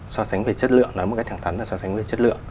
so sánh về chất lượng nói một cách thẳng thắn là so sánh về chất lượng